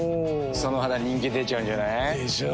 その肌人気出ちゃうんじゃない？でしょう。